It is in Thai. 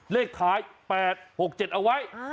เลขท้าย๘๖๗เอาไว้